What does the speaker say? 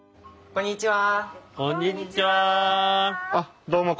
こんにちは。